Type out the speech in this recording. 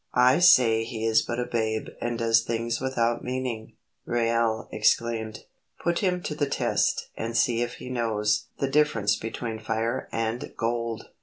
"I say he is but a babe and does things without meaning," Reuel exclaimed. "Put him to the test, and see if he knows the difference between fire and gold.